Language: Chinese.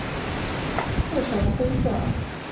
刺呈灰色。